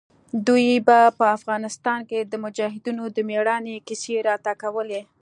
دوى به په افغانستان کښې د مجاهدينو د مېړانې کيسې راته کولې.